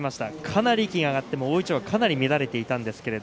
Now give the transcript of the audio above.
かなり息が上がって大いちょうは乱れていました。